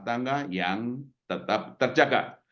tangga yang tetap terjaga